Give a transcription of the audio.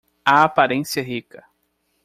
A aparência rica